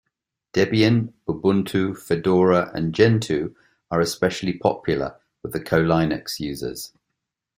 Debian, Ubuntu, Fedora and Gentoo are especially popular with the coLinux users.